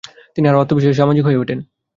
তিনি আরও আত্মবিশ্বাসী ও সামাজিক হয়ে ওঠেন।